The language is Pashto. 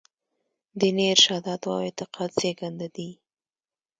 دیني ارشاداتو او اعتقاد زېږنده دي.